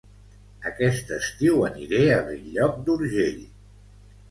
Aquest estiu aniré a Bell-lloc d'Urgell